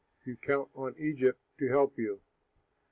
You count on Egypt to help you.